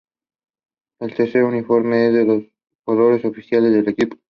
El tercer uniforme si es de los colores oficiales del equipo.